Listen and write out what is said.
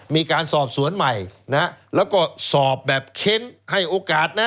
มีการสอบสวนใหม่นะแล้วก็สอบแบบเค้นให้โอกาสนะ